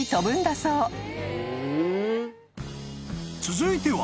［続いては］